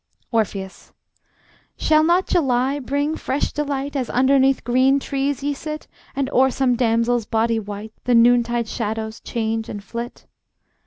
Orpheus: Shall not July bring fresh delight, As underneath green trees ye sit, And o'er some damsel's body white, The noon tide shadows change and flit?